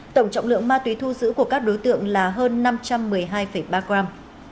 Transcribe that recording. tổng trọng lượng ma túy thu giữ của các đối tượng là hơn năm trăm một mươi hai ba gram